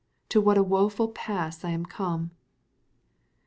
to what a woeful pass I am come!"